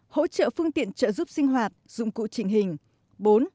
hỗ trợ phương tiện trợ giúp sinh hoạt dụng cụ trình hình